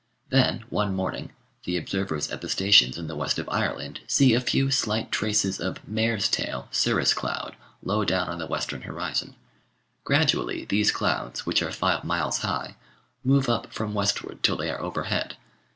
Then one morning the observers at the stations in the West of Ireland see a few slight traces of "mare's tail" cirrus cloud low down on the western horizon. Gradually these clouds, which are five miles high, move up from westward till they are overhead.